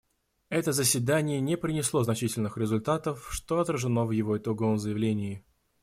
Это заседание не принесло значительных результатов, что отражено в его итоговом заявлении.